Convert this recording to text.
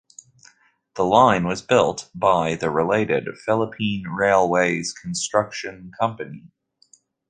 The line was built by the related Philippine Railways Construction Company.